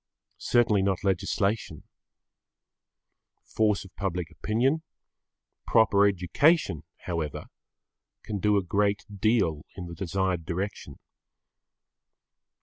Certainly not legislation. Force of public opinion, proper education, however, can do a great deal in the desired direction.